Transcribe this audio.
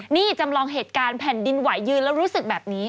นี่จำลองเหตุการณ์แผ่นดินไหวยืนแล้วรู้สึกแบบนี้